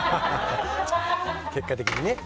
結果的にね。